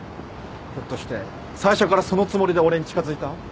ひょっとして最初からそのつもりで俺に近づいた？